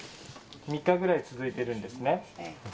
３日ぐらい続いてるんですね。